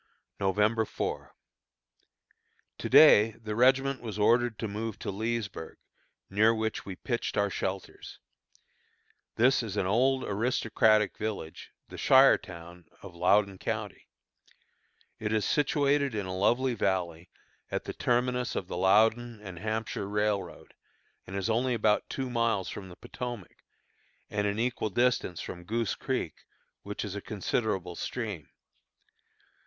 November 4. To day the regiment was ordered to move to Leesburg, near which we pitched our shelters. This is an old, aristocratic village, the shire town of Loudon County. It is situated in a lovely valley, at the terminus of the Loudon and Hampshire Railroad, and is only about two miles from the Potomac, and an equal distance from Goose Creek, which is a considerable stream.